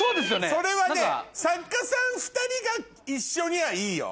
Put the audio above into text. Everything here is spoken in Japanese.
それはね作家さん２人が一緒にはいいよ。